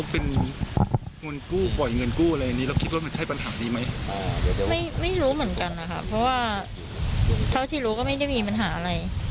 เพราะว่าเท่าที่รู้ก็ไม่ได้มีปัญหาอะไร